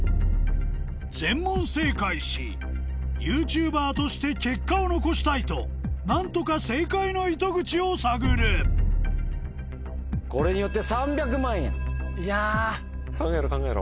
全問正解しＹｏｕＴｕｂｅｒとして結果を残したいと何とか正解の糸口を探るいや考えろ考えろ。